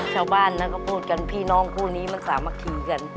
เช้าบ้านเขาก็พูดพี่น้องครูนี้มันสามารถทีกัน